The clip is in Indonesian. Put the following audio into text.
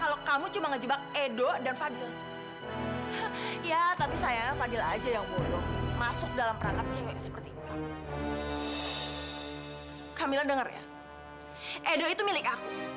sampai jumpa di video selanjutnya